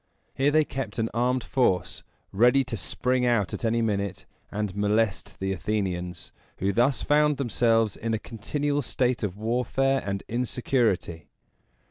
Here they kept an armed force, ready to spring out at any minute and molest the Athenians, who thus found themselves in a continual state of warfare and insecurity.